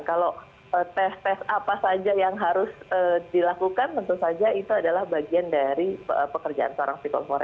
kalau tes tes apa saja yang harus dilakukan tentu saja itu adalah bagian dari pekerjaan seorang psikolog